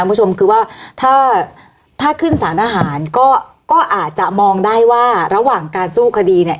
คุณผู้ชมคือว่าถ้าถ้าขึ้นสารทหารก็ก็อาจจะมองได้ว่าระหว่างการสู้คดีเนี่ย